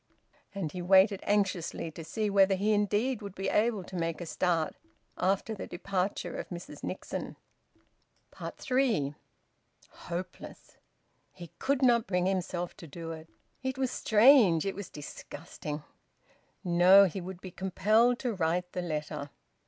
And he waited anxiously to see whether he indeed would be able to make a start after the departure of Mrs Nixon. THREE. Hopeless! He could not bring himself to do it. It was strange! It was disgusting! ... No, he would be compelled to write the letter.